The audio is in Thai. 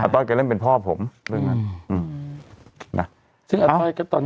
อัต้อยก็เล่นเป็นพ่อผมเรื่องนั้น